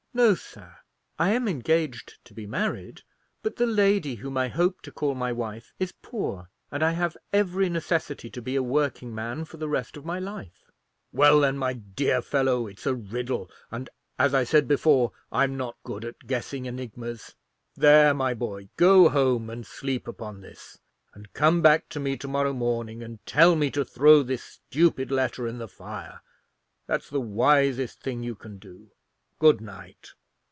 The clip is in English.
"No, sir. I am engaged to be married; but the lady whom I hope to call my wife is poor, and I have every necessity to be a working man for the rest of my life." "Well, then, my dear fellow, it's a riddle; and, as I said before, I'm not good at guessing enigmas. There, my boy; go home and sleep upon this; and come back to me to morrow morning, and tell me to throw this stupid letter in the fire—that's the wisest thing you can do. Good night."